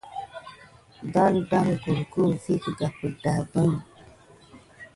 Doldol kulku vi kegampe dabin.